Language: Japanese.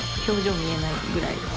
表情見えないぐらい